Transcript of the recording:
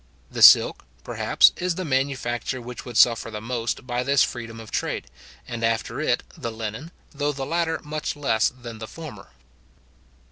The silk, perhaps, is the manufacture which would suffer the most by this freedom of trade, and after it the linen, though the latter much less than the former.